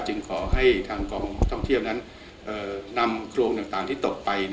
ขอให้ทางกองท่องเที่ยวนั้นนำโครงต่างที่ตกไป